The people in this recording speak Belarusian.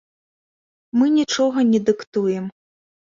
Мы нічога не дыктуем.